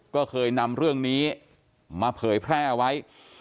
ก็เคยนำเรื่องนี้มาเผยแพร่ไว้